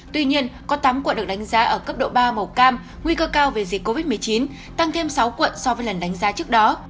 tuy nhiên có tám quận được đánh giá ở cấp độ ba màu cam nguy cơ cao về dịch covid một mươi chín tăng thêm sáu quận so với lần đánh giá trước đó